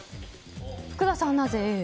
福田さんはなぜＡ？